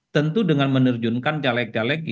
tentu dengan menerjunkan caleg caleg